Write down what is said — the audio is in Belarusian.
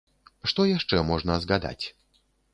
Што яшчэ можна згадаць?